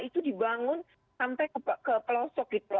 itu dibangun sampai ke pelau sokito